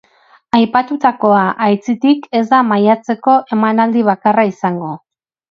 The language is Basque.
Aipatutakoa, aitzitik, ez da maiatzeko emanaldi bakarra izango.